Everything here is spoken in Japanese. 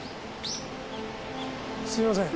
すいません。